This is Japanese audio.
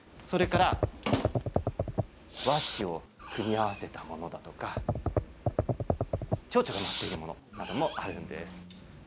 それから和紙を組み合わせたものだとかチョウチョウが舞っているものなどもあるんです。